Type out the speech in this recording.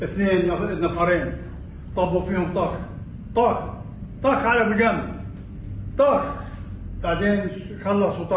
saya berkata saya akan berbicara